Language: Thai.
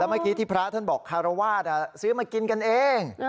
เมื่อกี้ที่พระท่านบอกคารวาสซื้อมากินกันเอง